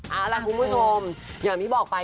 เอาล่ะคุณผู้ชมอย่างที่บอกไป